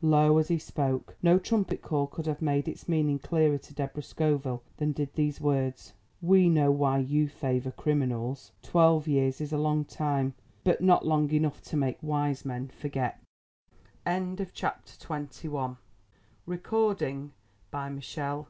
Low as he spoke, no trumpet call could have made its meaning clearer to Deborah Scoville than did these words: "We know why you favour criminals. Twelve years is a long time, but not long enough to make wise men forget." XXII BEFORE THE GATES Had she not caught the words themselves